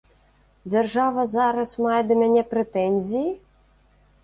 Дзяржава зараз мае да мяне прэтэнзіі?